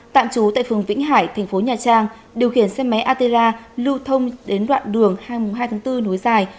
tạm trú tại phường vĩnh hải thành phố nha trang điều khiển xe máy atera lưu thông đến đoạn đường hai hai bốn núi dài